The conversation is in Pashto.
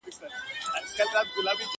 زه په ځان نه پوهېږم هره شپه دېوال ته گډ يم_